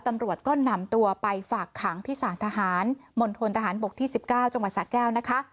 ตำรวจก็นำตัวไปฝากขังที่สารทหารมณฑนทหารบกที่๑๙จังหวัดสะแก้วนะคะ